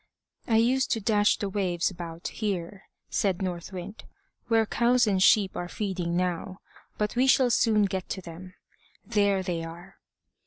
"I used to dash the waves about here," said North Wind, "where cows and sheep are feeding now; but we shall soon get to them. There they are."